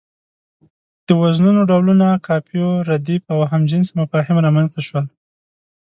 د وزنونو ډولونه، قافيو، رديف او هم جنسه مفاهيم رامنځ ته شول.